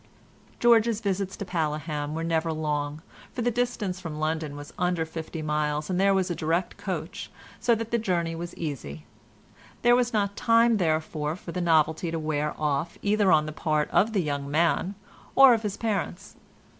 George's visits to Paleham were never long, for the distance from London was under fifty miles and there was a direct coach, so that the journey was easy; there was not time, therefore, for the novelty to wear off either on the part of the young man or of his parents.